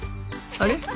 あれ？